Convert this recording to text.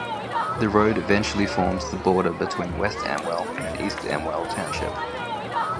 The road eventually forms the border between West Amwell and East Amwell Township.